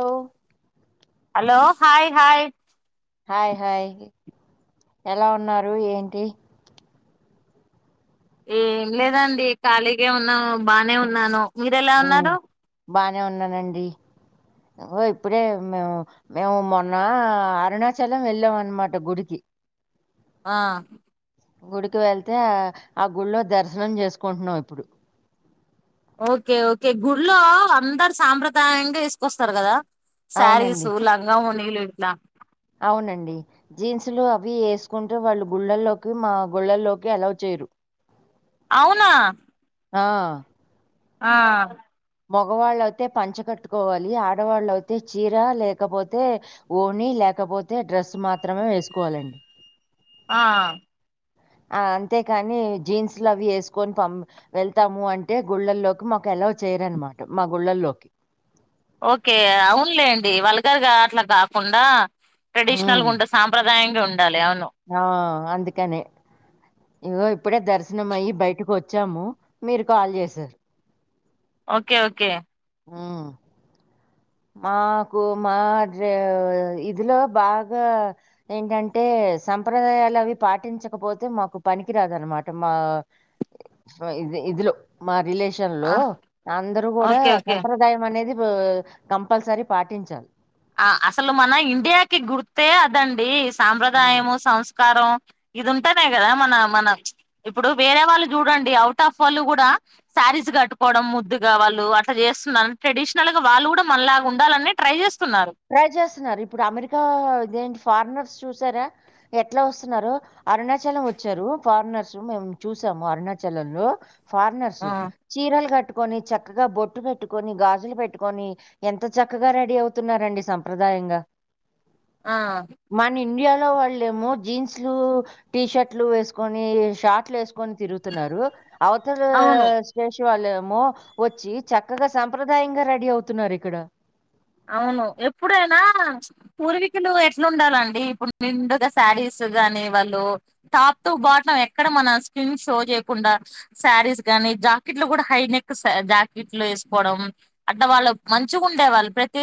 Hello hello hi hi hi hi ఎలా ఉన్నారు ఏంటి ఏం లేదండి ఖాళీగా ఉన్నాను బానే ఉన్నాను మీరేలా ఉన్నారు బాగానే ఉన్నానండి ఇప్పుడే మేము మేము మొన్న అరుణాచలం వెళ్ళామ అన్నమాట గుడికి ఆ గుడికి వెళ్తే ఆ గుళ్ళో దర్శనం చేసుకుంటున్నాం ఇప్పుడు ఓకే ఓకే గుళ్లో అందరు సాంప్రదాయంగా వేసుకొస్తారు కదా అవునండి సారీసుూ లంగామని [unintelligible] అవునండి జీన్సులు అవి వేసుకుంటూ వాళ్ళు గుళ్ళల్లోకి మా గుళ్ళల్లోకి అలో చేయరు అవునా ఆ ఆ మగవాళ్ళయితే పంచ కట్టుకోవాలి ఆడవాళ్ళయితే చీర లేకపోతే ఓని లేకపోతే డ్రస్ మాత్రమే వేసుకోవాలండి ఆ ఆ అంతేకాని జీన్స్ అవి వేసుకొని పం వెళ్తాము అంటే గుళ్ళల్లోకి మాకు ఎలా చేయరనమాట మా గుళ్ళల్లోకి ఓకే అవునులేండి వాళ్ళగారుగా అట్లా కాకుండా ట్రెడిషనల్గా హ్మ్. ఉంటు సాంప్రదాంగా ఉంటు ఆ అందుకని ఇగో ఇప్పుడే దర్శనం అయ్యి బయటకు వచ్చాము మీరు కాల్ చేసారు ఓకే ఓకే ఆ మాకు మా ఇదిలో బాగా ఏంటంటే సంప్రదాయాలు అవి పాటించకపోతే మాకు పనికిరాదన్నమాట మా ఇదిలో మా రిలేషన్ దేశంలో అందరుూ కూడా ఓకే ఓకే సంప్రదాయం అనేది బ్ కంపల్సరీ పాటించాలి ఆ అసలు మన ఇండియాకి గుర్తే అదండి హ్మ్. సాంప్రదాయము సంస్కారం ఇది ఉంటానే కదా మన మన ఇప్పుడు వేరే వాళ్ళు చూడండి. అవుట్ ఆఫ్ వాళ్ళు కూడా శారీస్ కట్టుకోవడం ముద్దుగా వాళ్ళు అట్లా చేస్తున్నారు. ట్రెడిషనల్ గా వాళ్ళు కూడా మనలాగా ఉండాలని ట్రై చేస్తు ట్రై చేస్తున్నారు ఇప్పుడు అమెరికా ఇదేంటి ఫారినర్ చూసారా ఎట్లా వస్తున్నారో అరుణాచలం వచ్చారు. ఫారినర్స్ మేము చూసాము అరుణాచలంలో ఫారినర్స్ ఆ చీరలు కట్టు టుకని చక్కగా బొట్టు పెట్టుకొని, గాజులు పెట్టుకొని ఎంత చక్కగా రెడీ అవుతున్నారు. రండి సంప్రదాయంగా ఆ మన ఇండియా ఇంట్లో వాళ్లేమో జీన్సులు, టీ షర్ట్లు వేసుకొని షార్ట్లు వేసు ని తిరుగుతున్నారు అవతల అవును స్పేస్ వాళ్ళ ఏమో వచ్చి చక్కగా సంంప్రదాయంగా రెడీ అవుతున్నారు ఇక్కడ. అవును ఎప్పుడైనా పూర్వీకులు ఎట్లా ఉండాలండి ఇప్పుడు నిండుగా శారీస్ గాని వాళ్ళు టాప్ టు బాటమ్ ఎక్కడ మన స్కీన్ షో చేయకుండా శారీస్ గానీ, జాకెట్లు కూడా హై నెక్ జాకెట్లు వేసుకోవడం. అంట వాళ్ళు మంచిగా ఉండేవాళ్ళు ప్రతి ఇది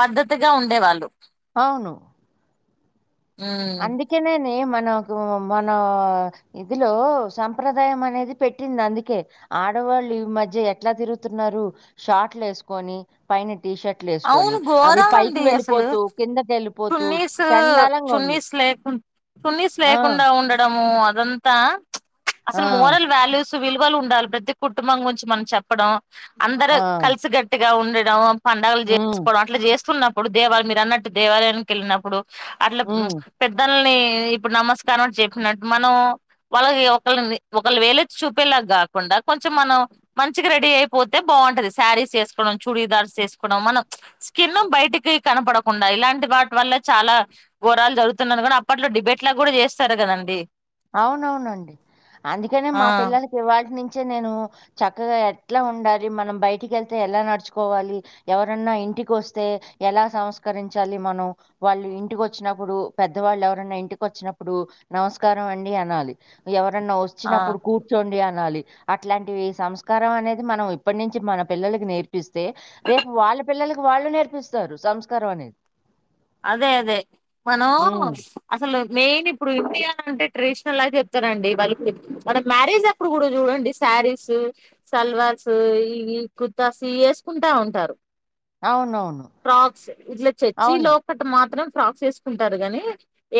పద్ధతిగా ఉండేవాళ్ళు అవును ఉమ్, అందుకే నేనే మ మనకు మన ఇదిలో సంప్రదాయం అనేది పెట్టింది. అందుకే ఆడవాళ్ళు ఈ మధ్య ఎట్లా తిరుగుతున్నారు షాట్లు వేసుకొని పైన టీ షర్ట్లు వేసుకొని అవును అవి ఘోరం పైకి అండి అసలు వెళ్ళిపోతూ, కిందకి వెళ్ళిపోతుూ చండాలంగా ఉంది. లేకు సునీస్ ఆ! లేకుండా ఉండడము అదంతా చ్ చ్ అసలు ఆ! మోరల్ వాల్యూస్ విలువలు ఉండాలి ప్రతి కుటుంబం గురించి మనం చెప్పడం అందరు ఆ! కల్సు గట్టిగా గా ఉండడం పండ్ హ్మ్. చేసుకోవడం అట్లా చేస్తున్నా ఇప్పుడు దేవాలయం మీరు అన్నట్టు దేవాలయానికి వెళ్ళినప్పుడు. అట్లా హ్మ్. పెద్ద ఇప్పుడు నమస్కారం చెప్పినట్టు మనం వాళ్ళకి ఒకళని ఒకలు వేలెత్తి చూపేలా గాకుండా కొంచెం మనం మంచిగా రెడీ అయిపోతే బావుంటది శారీస్ వేసుకోవడం, చూడీదార్స్ వే మనం స్కిన్ బయటికి కనపడకుండా ఇలాంటి వాటి వల్ల చాలా ఘోరాలు జరుగుతున్నా కూడా అప్పట్లో డిబేట్ లా కూడా చేస్తారు కదండి. అవునవునండి అందుకనే ఆ మా పిల్లలకి ఇవాళ్టి నుంచి నేను చక్కగా ఎట్లా ఉండాలి, మనం బయటికి వెళ్తే ఎలా నడుచుకోవాలి. ఎవరన్నా ఇంటికి వస్తే ఎలా సంస్కరించాలి. మనం వాళ్ళు ఇంటికి వచ్చినప్పుడు పెద్దవాళ్ళు ఎవరన్నా ఇంటికి వచ్చినప్పుడు నమస్ కారం అండి అనాలి ఎవ ఎవరైనా ఆ వచ్చినప్పుడు కూర్చోండి అనాలి. అట్లాంటివి సంస్కారం అనేది మనం ఇప్పటి నుంచి మన పిల్లలకి నేర్పి పిస్తే రేపు వాళ్ళ పిల్లలకి వాళ్ళు నేర్పిస్తారు సంస్కారం అనేది అదే అదే మనం హ్మ్. అసలు మెయిన్ ఇప్పుడు ఇండియన్ అంటే ట్రెడిషనల్ గా చెప్తారండి, వాళ్ళకి మన మ్యారేజ్ అప్పుడు కూడా చూడండి, శారీస్, సల్వార్స్ ఈ కుర్తాస్ ఇ వేసుకుంటా ఉంటారు. అవునవును. ప్రాక్స్ ఇల చర్చి లో అవును. అట్ మాత్రం ఫ్రాక్స్ వేసుకుంటారు గాని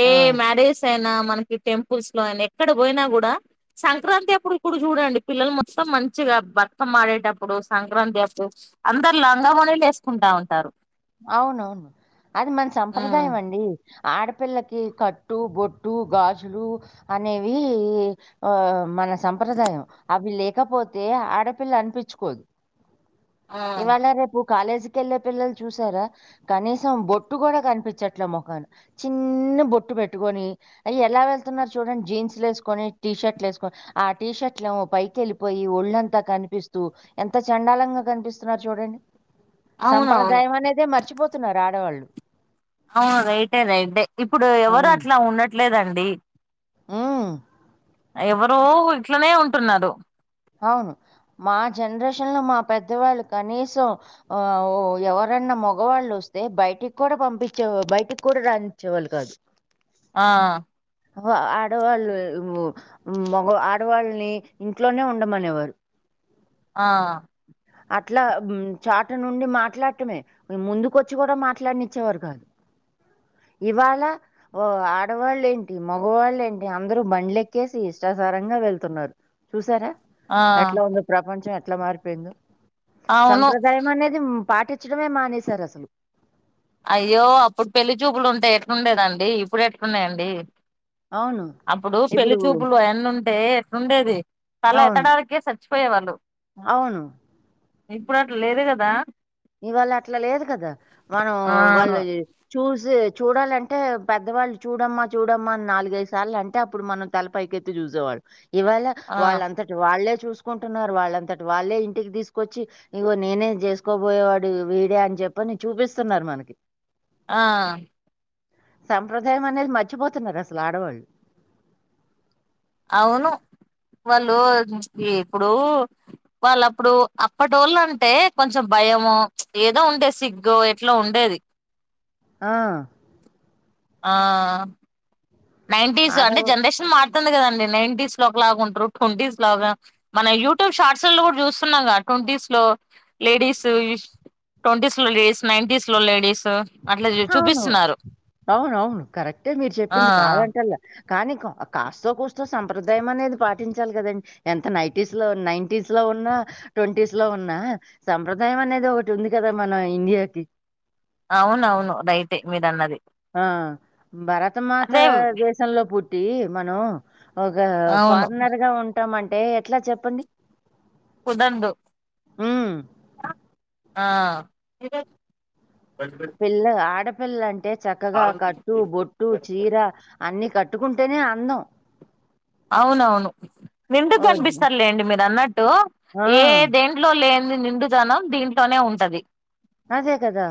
ఏ ఆ! మ్యారిజెస్ అయినా మనకి టెంపుల్స్ లో అయినా ఎక్కడ పోయినా కూడా, సంక్రాంతి అప్పుడు ఇప‌్పుడు చూడండి, పిల్లలు మొత్తం మంచిగా బతుకమ‌్మ ఆడేటప్పుడు సంక్రాంతి అప్పుడు అందరు లంగవోనీలు వేసుకుంటా ఉంటారు. అవునవును అది మన ఉమ్ సంప్రదాయం అండి ఆడ ఆడపిల్లకి కట్టు బొట్టు గాజులు అనేవి, మ్ ఆ మన సంప్రదాయం అవి లేకపోతే ఆడపిల్ల అనిపించుకోదు. ఇవాళ రేపు కాలేజికి వెళ‌్ళే పిల్లలు చూసారా, కనీసం బొట్టు కూడా కనిపించట్లే ముఖాన, చిన్న బొట్టు పెట్టుకొని అయ్ ఎలా వెళ్తున్నారు చూడండి, జీన్స్లు వేసుకొని టీ షర్ట్లు వేసుకొని ఆ టీ షర్ట్లు పైకి వెళ్ళిపోయి ఒళ్ళంతా కనిపిస్తూ ఎంత చండాలంగా కనిపిస్తున్నారు చూడండి. అవునా దైమనదే మర‌్చిపో త్తున్నారు ఆడవాళ్ళు అవును రైటే రైటే అంటే ఇప్పుడు ఎవరు అట్లా ఉండట్లేదం డి మ్ ఎవరో ఇట్లనే ఉంటున్నారు అవును మా జనరేషన్లో మా పెద్దవాళ్ళు కనీసం, ఆఆ‌ ఊ ఇంకా ఎవరన్నా మగవాళ్ళు వస్తే బయటికి కూడా పంపించే బయటికి కూడా రాణించేవాళ్ళు కాదు. ఆ ఆ ఆడవాళ్ళు మగ ఆడవాళ్ళని ఇంట్లోనే ఉండమనేవారు ఆ అట్లా చాట నుండి మాట్లాడటమే ముందుక వచ్చి కూడా మాట్లాడినిచ్చేవారు కాదు ఇవాళ ఓ ఆడవాళ్ళు ఏంటి మగవాళ్ళ ఏంటి అందరు బండ్ల ఎక్కేసి ఇష్టాసారంగా వెళ్తున్నారు చూసారా ఆ ఎట్లా ఉంద ప్రపంచం ఎ అట్లా మారిపోయిందో అవును సంప్రదాయం అనేది పాటించడమే మానేశారు అసలు అయ్యో అప్పుడు పెళ్లి చూపులు ఉంటే ఎట‌్లుండేది అండి ఇప్పుడు ఎట్లున‌్నయి అండి అవును అప్పుడు ఇప్పుడు పెళ్లి చూపులు ఎన్న ఉంటే ఎట్లుండేది తల అవును ఎత్తడాకే స మచిపోయే వాళ్ళు అవును ఇప్పుడు అట్లా లేదు కదా ఇవాళ అట్లా లేదు కదా మనం ఆ వాళ్ళు చూసి చూడాలంటే పెద్దవాళ్ళు చూడమ్మా చూడమ్మా అని నాలుగైదు ఐదు సార్లు అంటే అప్పుడు మనం తలపైకెత‌్తి చూసేవాళ్ళం ఇవాళ ఆ వాళ్ళంతటి వాళ్ళే చూసుకుంటున్నారు వాళ్ళంతటి వాళ్ళే ఇంటికి తీసుకొచ్చి ఇగో నేనె చేసుకో పోయేవాడు వీడే అని చెప్పని చూపిస్తున్నారు మనకి ఆ సంప్రదాయం అనేది మర్చిపోతున్నారు అసలు ఆడవాళ్ళు అవును, వాళ్ళు ఇప్పుడు వాళ్ళ అప్పుడు అప్పటోళ‌్ళు అంటే కొంచెం భయమొ ఏదో ఉండే సిగ‌్గో ఎట‌్లో ఉండేది ఆ ఆ నైంటీస్ ఆడ అంటే జనరేషన్ మాట్ వంది కదండి నైంటీస్ లో ఒకలాగా ఉంటారు, ట్వంటీస్ లాగా, మన యూట్యూబ్ షార్ట్స్ లో, కూడా చూస్తున్నాగా ట్వంటీస్ లో లేడీస్ ట్వంటీస్ లో లేడీస్ నైంటస్ లో లేడీస్ అట్లా అవును చూపిస్తున్నారు అవును అవును కరెక్టే మీరు ఆ చెప్ ింది కాదంటల్ కానీ కాస్తో కుస్తో సంప్రదాయం అనేది పాటించాలి కదండి, ఎంత నైటీస్ లో నైంటస్ లో ఉన్నా ట్వంటీస్ లో ఉన్నా సంప్రదాయం అనేది ఒకటి ఉంది కదా మన ఇండియాకి. అవునవును రైటె మీరు అన్నది ఆ భరతమాత దేశంలో పుట్ టి మనం ఒక అవును ఫారినర్ గా ఉం చట్టామంటే ఎట్లా చెప్పండి కుదరదు హ్మ్. ఆ పిల్లగ ఆడ వేళ్ళంటే చక్కగా కట్టు బొట్టు చీర అన్ని కట్టు పెట్టుకుంటేనే అందం అవునవును నిండు గ ఓహ్! కనిపిస్తారులేండి మీరు అన్నట్ తో ఏ ఆ! దెంట్లో లే ని నిండుదాన దీంట్లోనే ఉంటది అదే కదా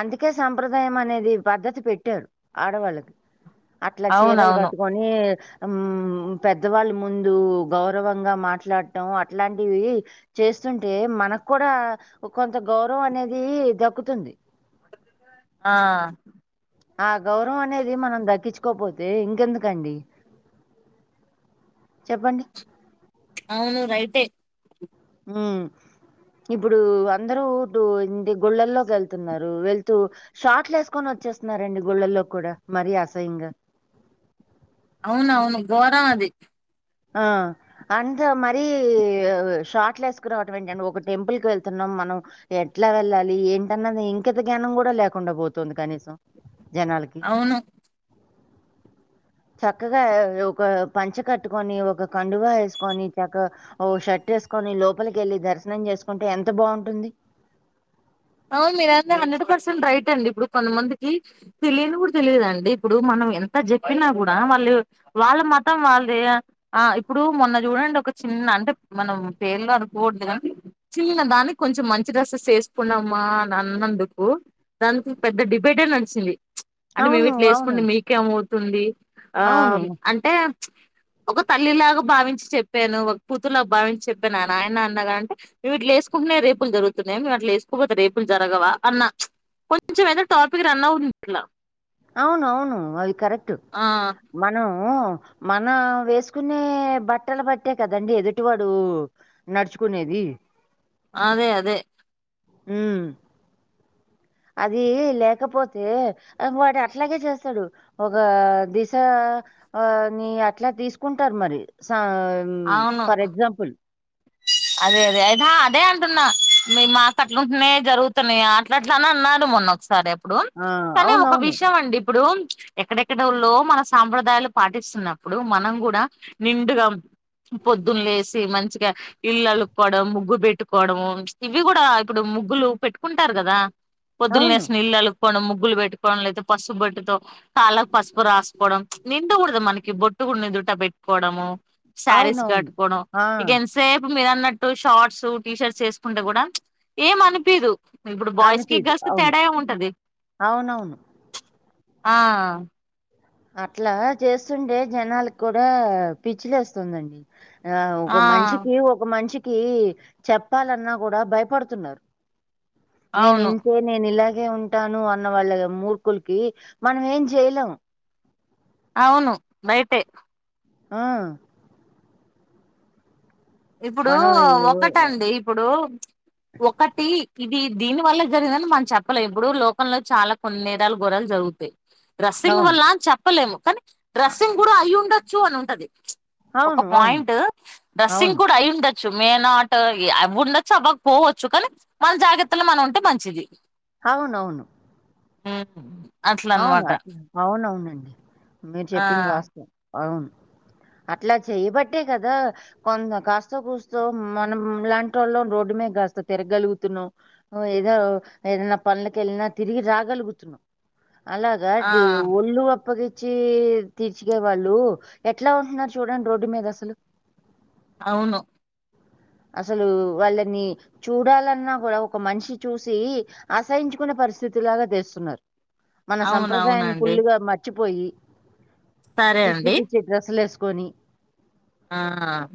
అందుకే సంప్రదాయం అనేది పద్ధతి పెట్టారు ఆడవాళ్ళకి అట్లా చీరలు అవునవును కట్టుకొని మ్ పెద్దవాళ్ళ ముందు గౌరవంగా మాట్లాడటం అట్లాంటివి చేస్తుంటే మనకు కూడా ది దక్కుతుంది ఆ ఆ గౌరవం అనేది మనం దక్కించుకోపోతే ఇంకెందుకండి చెప్పండి అవును రైటే ఉ ఇప్పుడు అందరూ, ఇ గుళ్ళల్లోకి వెళ్తున్నారు వెళ్తూ షాట్లు వేసుకొని వచ్చేస్తున్నారండి గుళ్ళల్లో కూడా, మరీ అసహ్యంగా అవున అవును గోరం అది ఆ అంతే మరి షార్ట్లు వేసుకురావటం ఏంటి, ఒక టెంపుల్ కి వెళ్తున్నాం మనం ఎట్లా వెళ్ళాలి ఏంటన్నది ఇంకంత జ్ఞానం కూడా లేకుండా పోతుంది కనీసం జనాలకి అవును చక్కగా ఒక పంచ కట్ కట్టుకొని ఒక కండువా వేసుకొని, చక్కగా ఓ షర్ట్ వేసుకొని, లోపలికి వెళ్ళి దర్శనం చేసుకుంటే, ఎంత బాగుంటుంది. అవును మీరందరు హండ్రెడ్ పర్సెంట్ రైట్ అండి. ఇప్పుడు కొంతమందికి తెలియని కూడా తెలియదం డి. ఇప్పుడు మనం ఎంత చెప్పినా కూడా వాళ్ళు వాళ్ళ మతం వాళ్ళదే ఆ ఇప్పుడు మొన్న చూడండి. ఒక చిన్న అంటే మనం పేర్లు అనుకోవద్దు కాని, చిన్న దానికి కొంచెం మంచి డ్రెస్ చేస్త్ కున్నామ్మా అన్నందుకు దానికి పెద్ద డిబేటే నడిచింది అంటే మేము అవును ఇట్లా అవును వేసుకుంటే మీకేమ స్తుంది ఆ అవును అంటే ఒక తల్లి లాగా భావించి చెప్పాను. ఒక కూతురి లాగా భావించి చెప్పాను. నా నాయనా అన్నగా అంటే మేము ఇట్లా వేసుకుంటనే రేపులు జరుగుతున్నాయా. మ ఇట్ల వేస్ తపోతే రేపులు జరగవా అన్న కొంచెం ఏదన టాపిక్ రన్ అవుతుంది ఇట్లా అవునవును అవి కరెక్ట్ ఆ మను ఆ మన వేసుకునే బట్టల బట్టే కదండి ఎదుటి వాడు నడుచుకునేది అదే అదే హ్మ్ అది లేకపోతే వాడు అట్లాగే చేస్తాడు ఒక దిశ ని అట్లా తీసుకుంటారు మరి సా ఇం అవును ఫర్ ఎక్సాంపుల్ అదే అదే అయినా అదే అంటున్న మే మాట అట్లుంటేనే జరుగు తనే అట్ల అట్లానే అన్నారు మొన్న ఒకసారి ఉమ్ ఆ! తనే ఒక అవునవును. విషయం అండి ఇప్పుడు ఎక్కడెక్కడల్లో మన సాంప్రదాయాలు పాటిస్తున్నప్పుడు, మనం కూడా నిండుగా పొద్దున్న లేసి మంచిగా, ఇల్లు అలుక్కోవడం, ముగ్గు పెట్టుకోవడము, ఇవి కూడా ఇప్పుడు ముగ్గులు పెట్టుకుంటారు కదా. పొద్దున అవును. లేసి పిల్లలు ముగ్గులు పెట్టుకోవడం లేకాపోతే, పసుపు బొట్టుతో కాళ్ళకు పసుపు రాసుకోవడం, నిండకూడదు మనకి బొట్టు కూడా నిదుట పెట్టుకోవడము. శారీస్ అవునవును. గట్ కోవడం ఆ! ఇగీన్స్ ఇప్పుడు మీరు అన్నట్టు షార్ట్స్ టీ షర్ట్స్ వేసుకుంటే కూడా ఏం అనిపిదు. ఇప్పుడు బాయ్స్ కి అనిపీదు. గర్ల్స్ కి అవును. తేడా ఏమి ఉంటది అవునవును. ఆ అట్లా చేస్తుండే జనాలకి కూడా పిచ్చి లేస్తుంది అండి ఆ ఒక మనిషికి ఒక మనిషి కి చెప్పాలన్నా కూడా భయపడుతున్నారు నేను అవును ఇంతే నేను ఇలా అగే ఉంటాను అన్న వాళ్ళ మూర్ఖులకి మనం ఏం చేయలేం అవును బయటే ఆ ఇప్పుడు మనం ఈ ఒకటండి ఇప్పుడు ఒకటి ఇది దీని వల్ల జరిగినన్ని మనం చెప్పలేం. ఇప్పుడు లోకంలో చాలా కొన్ని నేరాలు గోరాలు జరుగుతాయి. రస్సింగ్ అవును. వల్ల చెప్ప పోలేము కానీ డ్రెస్సింగ్ కూడా అయ్ఉండొచ్చు అను అది ఒక అవును. అవును. పాయింట్ డ్రస్సింగ్ అవును. ఉండొచ్చు మే నాట్ అ ఉండొచ్చు అవ్వక పోవచ్చు, కానీ మన జాగ్రత్తలో మనం ఉంటే మంచిది. అవునవును మ్ అవును అట్లా అవున అవునండి మీరు ఆ చెప్పింది వాస్తవం అవును అట్లా చేయబట్టే కదా కొం కాస్త కూస్తో మనం లాంటి వాళ్ళ రోడ్డు మీ కాస్త తిరగలుగుతున్నాం, ఏదో ఏదనా పనులక వెళ్ళినా తిరిగి రాగలుగుతున్నాం. అలాగా ఆ ది ఒళ్లు అప్పగి చ్చి తీర్చుగే వాళ్ళు ఎట్లా ఉంటున్నారు చూడండి రోడ్డు మీద అసలు అవును అసలు వాళ్ళని చూడాలన్నా కూడా, ఒక మనిషి చూసి ఆశయించుకునే పరిస్థితిలాగా తెస్తున్నారు. మన సంప్రదాయాన్ని అవునవునండి ఫుల్లుగా మట్ చ్చిపోయి సరే పిచ్చే అండి పిచ్చే డ్రెస్లేవెస్ కొని ఆ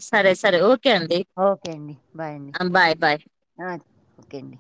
సరే సరే ఓ కే అండి ఓకే అండి. బాయ్ అండి. అ బాయ్ బాయ్ ఆ ఓకే అండి